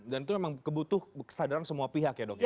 dan itu memang kebutuh kesadaran semua pihak ya dok ya